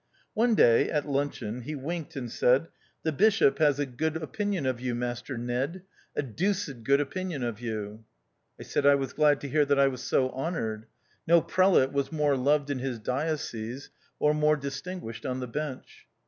One day, at luncheon, he winked and said, "The Bishop has a good 96 THE OUTCAST. opinion of you, Master Ned, a deuced good opinion of you." I said I was glad to hear that I was so honoured. No prelate was more loved in his diocese, or more distinguished on the bench.